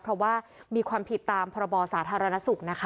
เพราะว่ามีความผิดตามพรบสาธารณสุขนะคะ